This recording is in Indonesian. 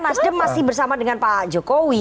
nasdem masih bersama dengan pak jokowi